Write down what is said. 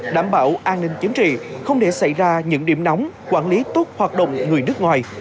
đảm bảo an ninh chính trị không để xảy ra những điểm nóng quản lý tốt hoạt động người nước ngoài